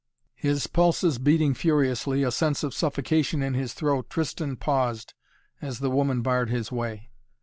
His pulses beating furiously, a sense of suffocation in his throat, Tristan paused as the woman barred his way.